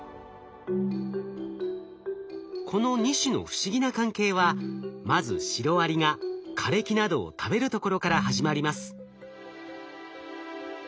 この２種の不思議な関係はまずシロアリが枯れ木などを食べるところから始まります。